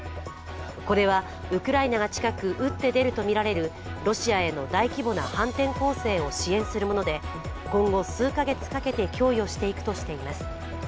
これはウクライナが近く打って出るとみられるロシアへの大規模な反転攻勢を支援するもので今後、数か月かけて供与していくとしています。